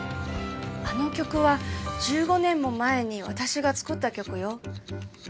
あの曲は１５年も前に私が作った曲よ。